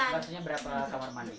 maksudnya berapa kamar mandi